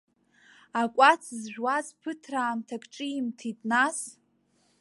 Акәац зжәуаз ԥыҭраамҭак ҿимҭит, нас.